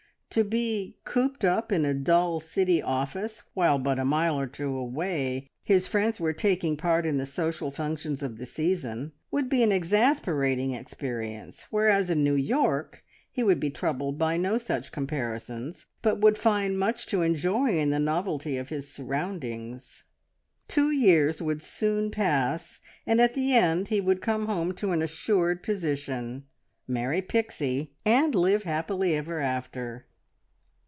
To be cooped up in a dull city office, while but a mile or two away his friends were taking part in the social functions of the season, would be an exasperating experience, whereas in New York he would be troubled by no such comparisons, but would find much to enjoy in the novelty of his surroundings. Two years would soon pass, and at the end he would come home to an assured position, marry Pixie, and live happily ever after.